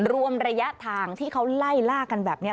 รวมระยะทางที่เขาไล่ล่ากันแบบนี้